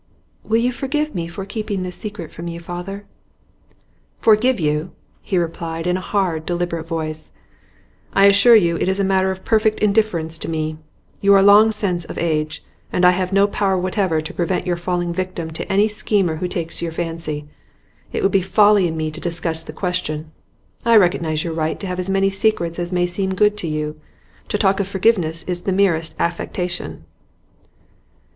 'Will you forgive me for keeping this secret from you, father?' 'Forgive you?' he replied in a hard, deliberate voice. 'I assure you it is a matter of perfect indifference to me. You are long since of age, and I have no power whatever to prevent your falling a victim to any schemer who takes your fancy. It would be folly in me to discuss the question. I recognise your right to have as many secrets as may seem good to you. To talk of forgiveness is the merest affectation.